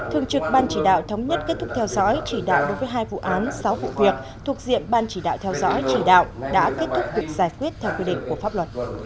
thường trực ban chỉ đạo thống nhất kết thúc theo dõi chỉ đạo đối với hai vụ án sáu vụ việc thuộc diện ban chỉ đạo theo dõi chỉ đạo đã kết thúc được giải quyết theo quy định của pháp luật